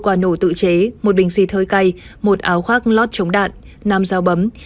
một quả nổ tự chế một bình xịt hơi cay một áo khoác lót chống đạn năm dao bấm